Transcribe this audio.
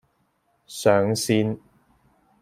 上線